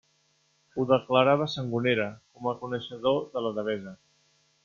Ho declarava Sangonera, com a coneixedor de la Devesa.